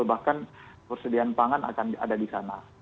bahkan persediaan pangan akan ada di sana